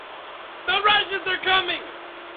The Russians Are Coming!